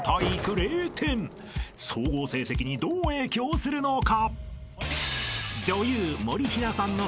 ［総合成績にどう影響するのか］